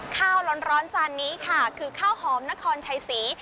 ข้าวร้อนจานนี้ค่ะคือข้าวหอมนครชัยศรี